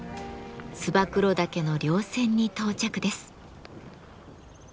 燕岳の稜線に到着です。